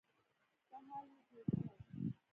څه حال يې جوړ کړی.